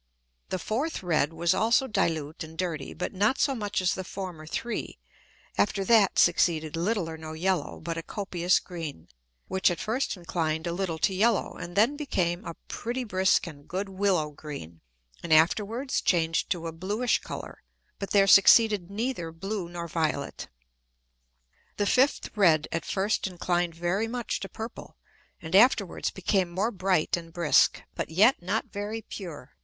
The fourth red was also dilute and dirty, but not so much as the former three; after that succeeded little or no yellow, but a copious green, which at first inclined a little to yellow, and then became a pretty brisk and good willow green, and afterwards changed to a bluish Colour; but there succeeded neither blue nor violet. The fifth red at first inclined very much to purple, and afterwards became more bright and brisk, but yet not very pure.